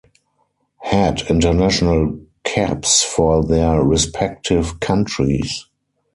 Had international caps for their respective countries.